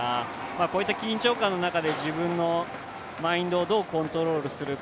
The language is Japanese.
こういった緊張感の中で自分のマインドをどうコントロールするか。